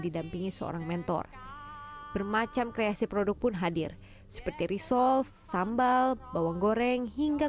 didampingi seorang mentor bermacam kreasi produk pun hadir seperti risol sambal bawang goreng hingga